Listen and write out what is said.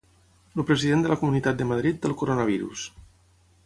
El president de la Comunitat de Madrid té el coronavirus.